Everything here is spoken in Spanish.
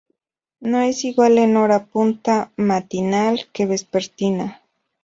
No es igual en hora punta matinal que vespertina.